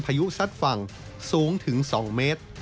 พายุซัดฝั่งสูงถึง๒เมตร